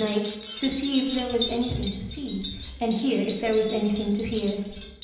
^hi, to see if there was anything to see, and luau: if there was anything to hear.